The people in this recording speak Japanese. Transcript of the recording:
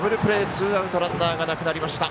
ツーアウトランナーなくなりました。